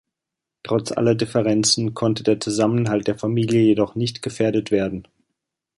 Trotz aller Differenzen konnte der Zusammenhalt der Familie jedoch nicht gefährdet werden.